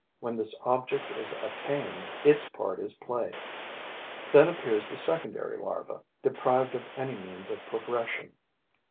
When this object is attained, its part is played. Then appears the secondary larva, deprived of any means of progression.